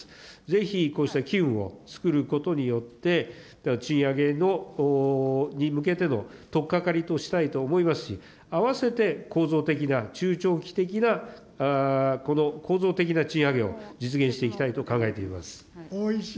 ぜひ、こうした機運をつくることによって、賃上げの、に向けてのとっかかりとしたいと思いますし、併せて構造的な、中長期的な、この構造的な賃上げを実現していきたいと考えています。